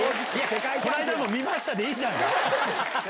この間も見ましたでいいじゃん。